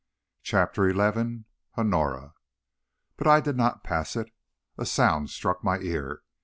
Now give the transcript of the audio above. CHAPTER XI. HONORA. "But I did not pass it. A sound struck my ear.